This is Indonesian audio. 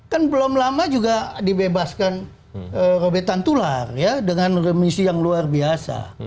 kan belum lama juga dibebaskan robetan tular ya dengan remisi yang luar biasa